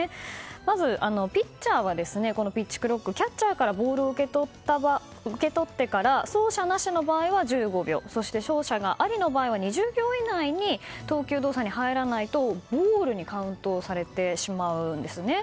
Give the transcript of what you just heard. まずピッチャーはこのピッチクロックキャッチャーからボールを受け取ってから走者なしの場合は１５秒そして走者がありの場合は２０秒以内に投球動作に入らないとボールにカウントされてしまうんですね。